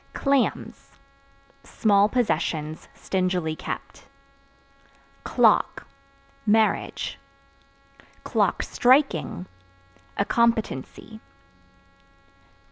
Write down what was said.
Clams Small possessions, stingily kept. Clock Marriage; (striking) a competency.